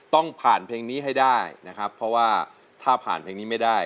ต้องผ่านเพลงนี้ให้ได้นะครับเพราะว่าถ้าผ่านเพลงนี้ไม่ได้